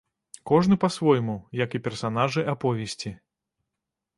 Кожны па-свойму, як і персанажы аповесці.